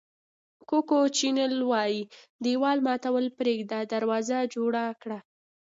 کوکو چینل وایي دېوال ماتول پرېږده دروازه جوړه کړه.